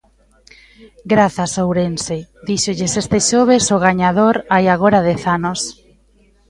"Grazas, Ourense!", díxolles este xoves o gañador hai agora dez anos.